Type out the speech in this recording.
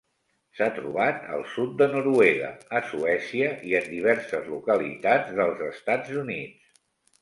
S'ha trobat al sud de Noruega, a Suècia i en diverses localitats dels Estats Units.